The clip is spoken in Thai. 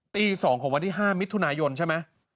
ตี๒ของวันที่๕มิถุนายนใช่ไหม